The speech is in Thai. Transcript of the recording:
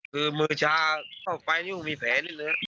คือมือชาเข้าไปนิ้วมีแผลนี่เลย